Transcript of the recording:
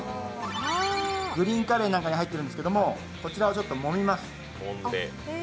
グリーンカレーなんかに入ってるんですけど、こちらをちょっともみます。